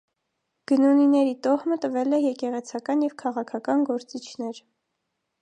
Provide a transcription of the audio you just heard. Գնունիների տոհմը տվել է եկեղեցական և քաղաքական գործիչներ։